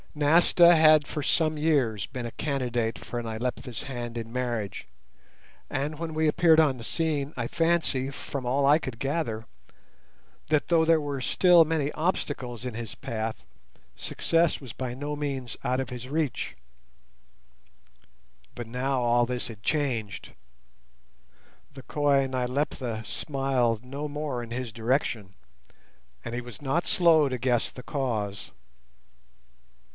Nasta had for some years been a candidate for Nyleptha's hand in marriage, and when we appeared on the scene I fancy, from all I could gather, that though there were still many obstacles in his path, success was by no means out of his reach. But now all this had changed; the coy Nyleptha smiled no more in his direction, and he was not slow to guess the cause.